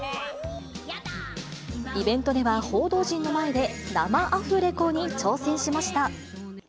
イベントでは報道陣の前で生アフレコに挑戦しました。